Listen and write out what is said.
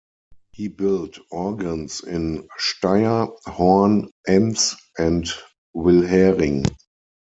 He built organs in Steyr, Horn, Enns, and Wilhering.